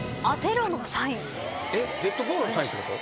デッドボールのサインってこと？